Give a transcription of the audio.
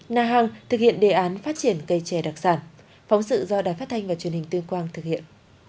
na hàng thực hiện đề án phát triển cây chè đặc sản phóng sự do đài phát thanh và truyền hình tuyên quang thực hiện